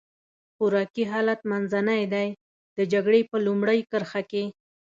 خوراکي حالت منځنی دی، د جګړې په لومړۍ کرښه کې.